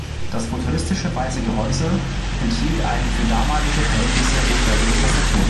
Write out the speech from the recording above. Das futuristische weiße Gehäuse enthielt eine für damalige Verhältnisse hochwertige Tastatur.